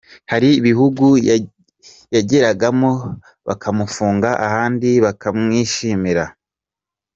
Hari ibihugu yageragamo bakamufunga ahandi bakamwishimira.